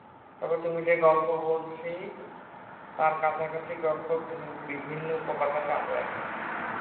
তবে তুমি যে-গল্প বলছি, তার কাছাকাছি গল্প বিভিন্ন উপকথায় চালু আছে।